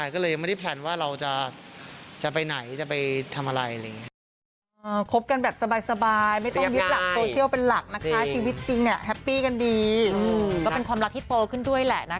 ความรักที่เฟ้อขึ้นด้วยล่ะนะคะ